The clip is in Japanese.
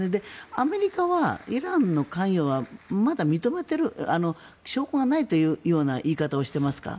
アメリカはイランの関与はまだ認めてる証拠がないというような言い方をしてますか。